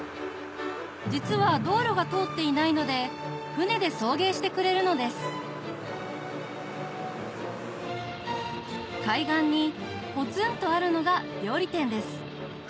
実は道路が通っていないので船で送迎してくれるのです海岸にポツンとあるのが料理店です